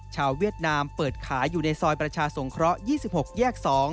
เวียดนามเปิดขายอยู่ในซอยประชาสงเคราะห์๒๖แยก๒